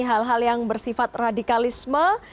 hal hal yang bersifat radikalisme